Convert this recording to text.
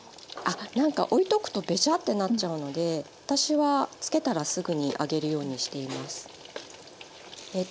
なんかおいとくとべしゃってなっちゃうので私はつけたらすぐに揚げるようにしています。